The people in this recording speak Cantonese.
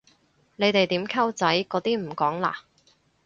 你哋點溝仔嗰啲唔講嘞？